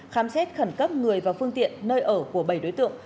khám xét khẩn cấp người và phương tiện nơi ở của bảy đối tượng